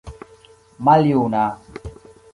maljuna